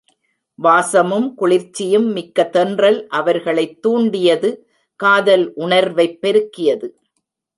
வாசமும் குளிர்ச்சியும் மிக்க தென்றல் அவர்களைத் தூண்டியது காதல் உணர்வைப் பெருக்கியது.